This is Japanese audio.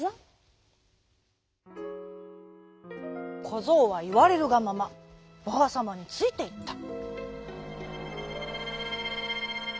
こぞうはいわれるがままばあさまについていった。